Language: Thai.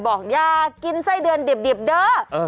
บอกอย่ากินไส้เดือนดิบเด้อ